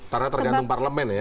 karena tergantung parlemen ya